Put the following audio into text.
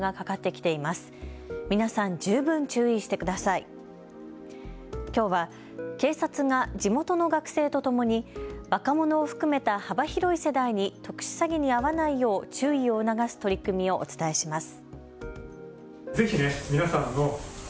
きょうは警察が地元の学生とともに若者を含めた幅広い世代に特殊詐欺に遭わないよう注意を促す取り組みをお伝えします。